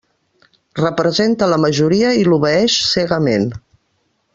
Representa la majoria i l'obeeix cegament.